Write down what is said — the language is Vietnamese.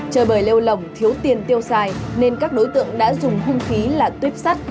trời bời lêu lỏng thiếu tiền tiêu sai nên các đối tượng đã dùng hung khí là tuyếp sắt